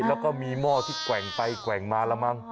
แล้วก็มีหม้อที่แกว่งไปแกว่งมาแล้วมั้ง